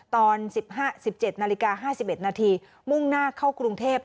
ตอนสิบห้าสิบเจ็ดนาลีกาห้าสิบเอ็ดนาทีมุ่งหน้าเข้ากรุงเทพฯ